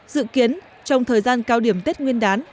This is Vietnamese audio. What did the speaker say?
dự kiến trong thời gian cao điểm tết nguyên đán